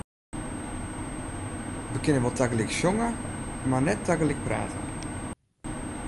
Wy kinne wol tagelyk sjonge, mar net tagelyk prate.